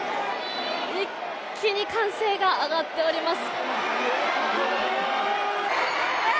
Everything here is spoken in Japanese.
一気に歓声が上がっております。